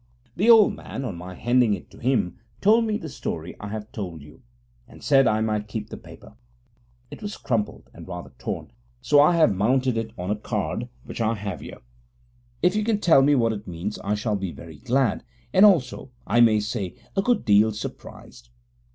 The old man, on my handing it to him, told me the story I have told you, and said I might keep the paper. It was crumpled and rather torn, so I have mounted it on a card, which I have here. If you can tell me what it means I shall be very glad, and also, I may say, a good deal surprised.'